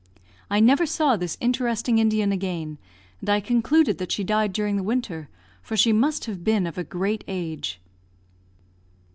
I never saw this interesting Indian again, and I concluded that she died during the winter, for she must have been of a great age.